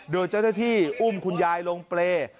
โดยเจ้าหน้าที่อุ้มคุณยายลงเปรย์